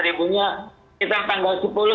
dua ratus ribunya kita tanggal